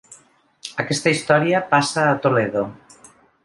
Aquesta història passa a Toledo.